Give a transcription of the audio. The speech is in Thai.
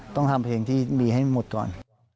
ต้องทำเพลงที่มีให้หมดก่อน